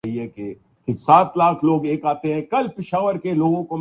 آسانی سے چڑ چڑا ہو جاتا ہوں